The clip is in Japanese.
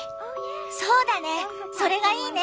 そうだねそれがいいね！